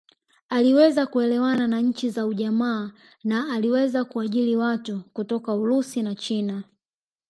Aliweza kuelewana na nchi za ujamaa na aliweza kuajiri watu kutoka Urusi na China